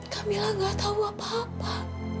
kamila gak tahu apa apa